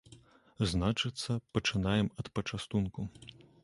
Значыцца, пачынаем ад пачастунку.